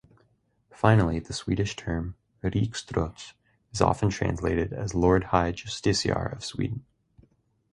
Finally, the Swedish term "riksdrots" is often translated as "Lord High Justiciar of Sweden".